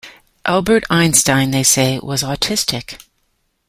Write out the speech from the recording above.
Albert Einstein they say was autistic.